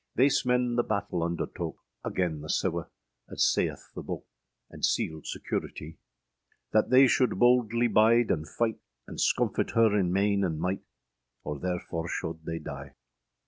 Theis men the battel undertoke Agen the sewe, as saythe the boke, And sealed securitye, That they shold boldly bide and fyghte, And scomfit her in maine and myghte, Or therfor sholde they dye.